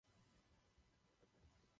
Jedná se o jednobuněčné vodní řasy.